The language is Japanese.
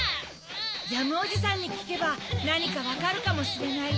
ジャムおじさんにきけばなにかわかるかもしれないよ。